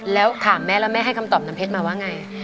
แล้วถามแม่แล้วแม่ให้คำตอบน้ำเพชรมาว่าไง